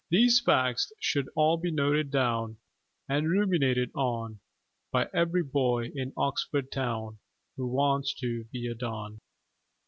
These facts should all be noted down And ruminated on, By every boy in Oxford town Who wants to be a Don.